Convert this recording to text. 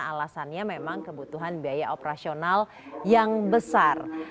alasannya memang kebutuhan biaya operasional yang besar